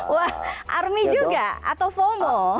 wah army juga atau fomo